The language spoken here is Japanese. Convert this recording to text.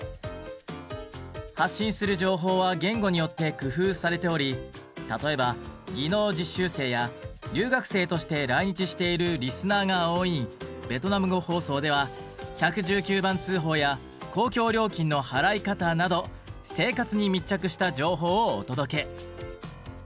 発信する情報は言語によって工夫されており例えば技能実習生や留学生として来日しているリスナーが多いベトナム語放送ではなど生活に密着した情報をお届け。